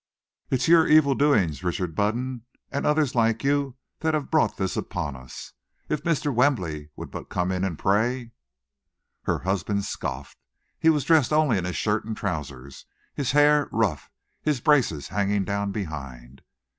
It's your evil doings, Richard Budden, and others like you, that have brought this upon us. If Mr. Wembley would but come in and pray!" Her husband scoffed. He was dressed only in his shirt and trousers, his hair rough, his braces hanging down behind.